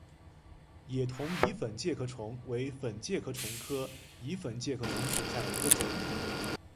野桐蚁粉介壳虫为粉介壳虫科蚁粉介壳虫属下的一个种。